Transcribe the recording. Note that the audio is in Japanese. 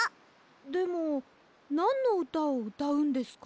でもなんのうたをうたうんですか？